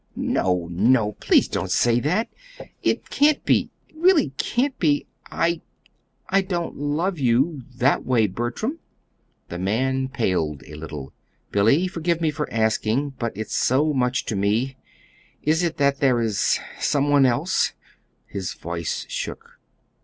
"No, no, please don't say that. It can't be it really can't be. I I don't love you that way, Bertram." The man paled a little. "Billy forgive me for asking, but it's so much to me is it that there is some one else?" His voice shook.